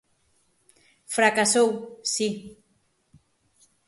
Fracasou, si.